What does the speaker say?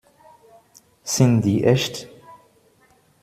Sind die echt?